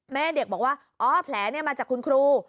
แม่เด็กบอกว่าอ๋อแผลมาจากคุณครู